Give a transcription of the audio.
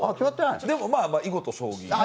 でも、囲碁と将棋。